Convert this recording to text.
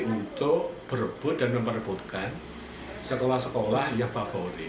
untuk berebut dan memperebutkan sekolah sekolah yang favorit